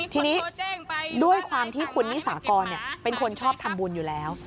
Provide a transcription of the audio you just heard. ทีนี้ด้วยความที่คุณนิสากรเป็นคนชอบทำบุญอยู่แล้ว